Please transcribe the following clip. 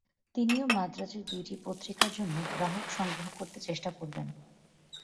তিনিও মান্দ্রাজের দুইটি পত্রিকার জন্য গ্রাহক সংগ্রহ করতে চেষ্টা করবেন।